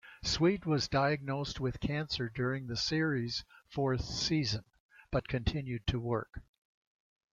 Sweet was diagnosed with cancer during the series' fourth season, but continued to work.